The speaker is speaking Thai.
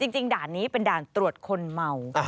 ด่านนี้เป็นด่านตรวจคนเมา